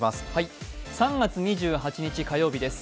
３月２８日火曜日です。